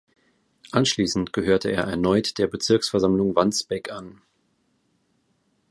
Anschließend gehörte er erneut der Bezirksversammlung Wandsbek an.